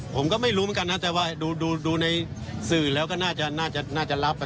ผมก็ไม่รู้เหมือนกันนะแต่ว่าดูในสื่อแล้วก็น่าจะรับ